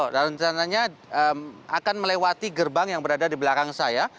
rencananya akan melewati gerbang yang berada di belakang saya